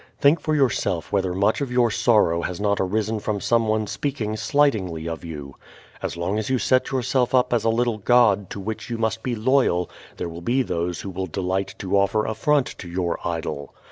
Think for yourself whether much of your sorrow has not arisen from someone speaking slightingly of you. As long as you set yourself up as a little god to which you must be loyal there will be those who will delight to offer affront to your idol.